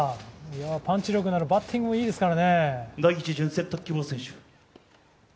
パンチ力もあり、バッティングもいいですからね。